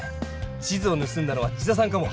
地図をぬすんだのは千田さんかも！